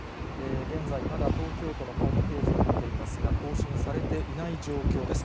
現在、まだ東京都のホームページを見ていますが、更新されていない状況です。